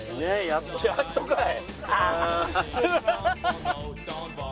やっとかい！